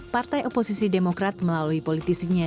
partai oposisi demokrat melalui politisinya